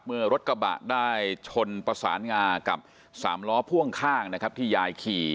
เมื่อรถกระบะได้ชนประสานงากับสามล้อพ่วงข้างนะครับที่ยายขี่